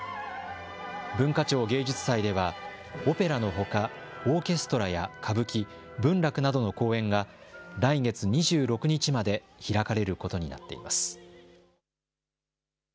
文化庁芸術祭ではオペラのほかオーケストラや歌舞伎文楽などの公演が来月２６日まで開かれることになっています。